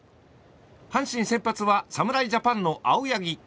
阪神先発は侍ジャパンの青柳。